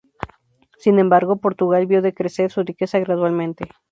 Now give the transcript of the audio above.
Sin embargo, Portugal vio decrecer su riqueza gradualmente.